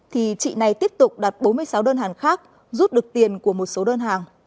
thì chị này tiếp tục đặt bốn mươi sáu đơn hàng khác rút được tiền của một số đơn hàng